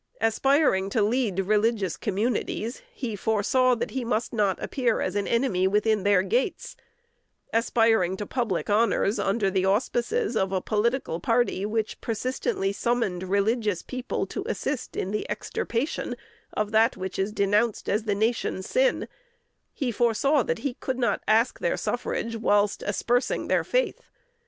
Aspiring to lead religious communities, he foresaw that he must not appear as an enemy within their gates; aspiring to public honors under the auspices of a political party which persistently summoned religious people to assist in the extirpation of that which is denounced as the "nation's sin," he foresaw that he could not ask their suffrages whilst aspersing their faith.